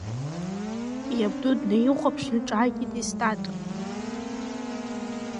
Иабду днаихәаԥшны ҿааиҭит Естат.